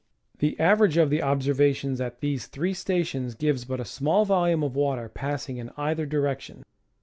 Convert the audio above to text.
The average of the observations at these three stations gives but a small volume of water passing in either direction.